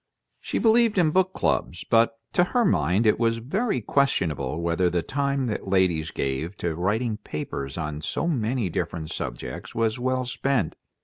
She believed in book clubs, but to her mind it was very questionable whether the time that ladies gave to writing papers on so many different subjects was well spent.